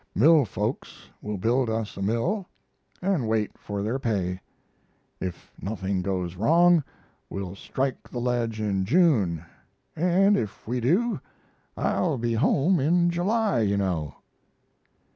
Mill folks will build us a mill, and wait for their pay. If nothing goes wrong, we'll strike the ledge in June and if we do, I'll be home in July, you know.